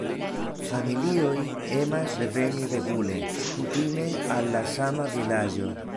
Familioj emas reveni regule, kutime al la sama vilaĝo.